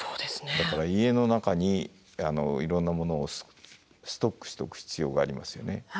だから家の中にいろんなものをストックしておく必要がありますよね。